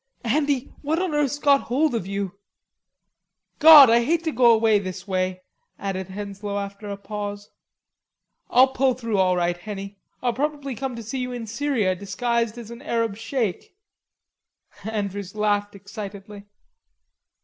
"Andy, what on earth's got hold of you?... God, I hate to go away this way," added Henslowe after a pause. "I'll pull through all right, Henny. I'll probably come to see you in Syria, disguised as an Arab sheik." Andrews laughed excitedly.